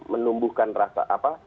menumbuhkan rasa apa